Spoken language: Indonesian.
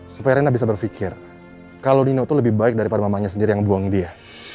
supaya erina bisa berpikir kalau nino itu lebih baik daripada mamanya sendiri yang buang dia